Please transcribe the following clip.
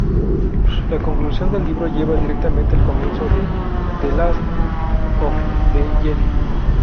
La conclusión del libro lleva directamente al comienzo de The Last of the Jedi.